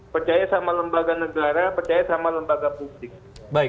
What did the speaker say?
percaya sama lembaga negara percaya sama lembaga publik